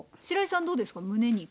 しらいさんどうですか？